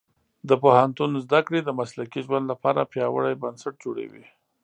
د پوهنتون زده کړې د مسلکي ژوند لپاره پیاوړي بنسټ جوړوي.